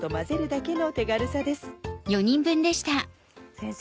先生